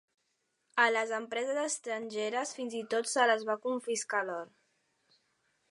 A les empreses estrangeres fins i tot se les va confiscar l'or.